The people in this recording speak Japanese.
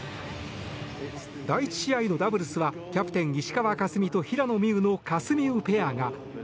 第１試合のダブルスはキャプテン、石川佳純と平野美宇のかすみうペアが。